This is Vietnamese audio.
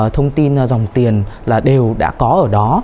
thông tin dòng tiền là đều đã có ở đó